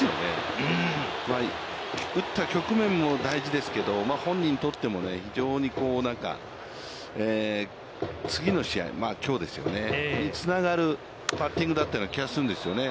打った局面も大事ですけれども、本人にとっても非常に、次の試合、きょうですよね、それにつながるバッティングだったような気がするんですよね。